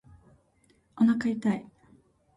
おなか痛い